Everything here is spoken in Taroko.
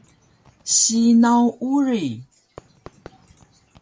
sinaw uri